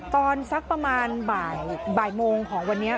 สักประมาณบ่ายโมงของวันนี้